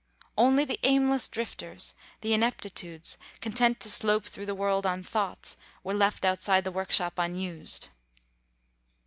Only the aimless drifters, the ineptitudes, content to slope through the world on thoughts, were left outside the workshop unused.